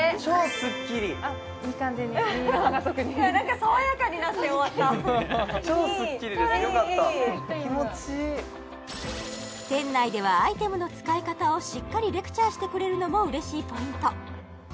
いい感じに何か爽やかになって終わったよかった気持ちいい店内ではアイテムの使い方をしっかりレクチャーしてくれるのも嬉しいポイント